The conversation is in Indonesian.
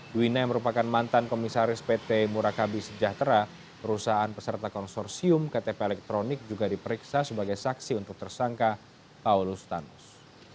duwina yang merupakan mantan komisaris pt murakabi sejahtera perusahaan peserta konsorsium ktp elektronik juga diperiksa sebagai saksi untuk tersangka paulus thanos